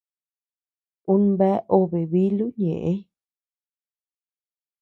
Ú bea obe bílu ñeʼe.